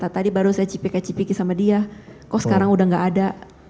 tadi baru saya cipiki cipiki sama dia kok sekarang udah gak ada